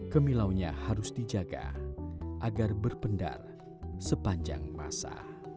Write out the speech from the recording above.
kemilaunya harus dijaga agar berpendar sepanjang masa